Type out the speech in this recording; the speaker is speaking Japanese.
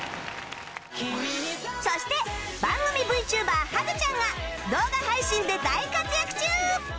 そして番組 ＶＴｕｂｅｒ ハグちゃんが動画配信で大活躍中